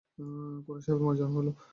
খুড়াসাহেবের মার্জনা হইল।